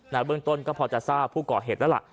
เบื้องต้นก็พอจะทราบผู้ก่อเหตุแล้วล่ะ